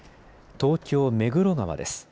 東京目黒川です。